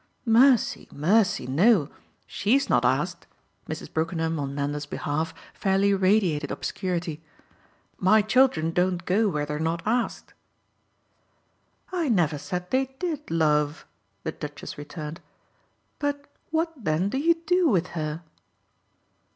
"Mercy mercy, no she's not asked." Mrs. Brookenham, on Nanda's behalf, fairly radiated obscurity. "My children don't go where they're not asked." "I never said they did, love," the Duchess returned. "But what then do you do with her?"